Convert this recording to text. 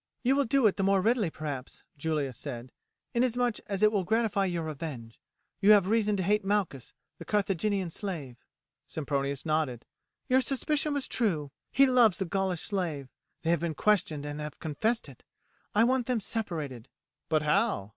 "You will do it the more readily, perhaps," Julia said, "inasmuch as it will gratify your revenge. You have reason to hate Malchus, the Carthaginian slave." Sempronius nodded. "Your suspicion was true, he loves the Gaulish slave; they have been questioned and have confessed it. I want them separated." "But how?"